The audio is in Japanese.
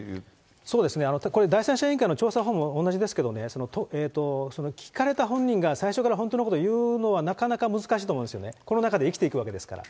そうですね、これ、第三者委員会の調査もですけどね、聞かれた本人が最初から本当のこと言うのは、なかなか難しいと思うんですよね、この中で生きていくわけですから。